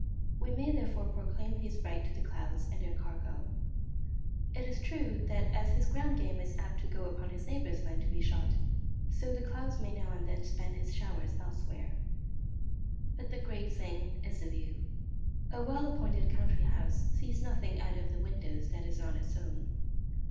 We may therefore proclaim his right to the clouds and their cargo. It is true that as his ground game is apt to go upon his neighbour's land to be shot, so the clouds may now and then spend his showers elsewhere. But the great thing is the view. A well appointed country house sees nothing out of the windows that is not its own.